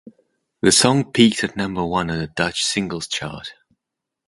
The song peaked at number one on the Dutch Singles Chart.